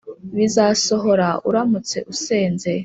bizasohora uramutse usenze.